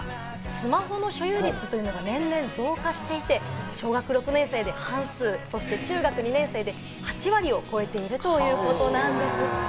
今、スマホの所有率が年々増加していて、小学６年生で半数、中学２年生で８割を超えているということなんです。